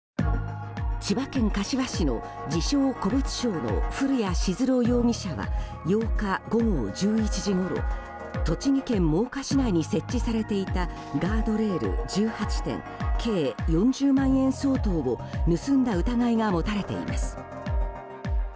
千葉県柏市の自称、古物商の古谷温朗容疑者は８日午後１１時ごろ栃木県真岡市内に設置されていたガードレール１８点計４０万円相当を盗んだ疑いが持たれています。